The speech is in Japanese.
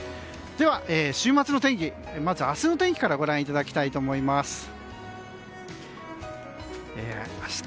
では、週末の天気明日の天気からご覧いただきたいと思います。